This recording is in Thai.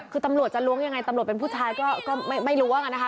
คือตำรวจจะล้วงยังไงตำรวจเป็นผู้ชายก็ไม่รู้ว่าอะนะคะ